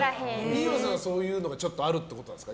二葉さんはそういうのがちょっとあるってことなんですか。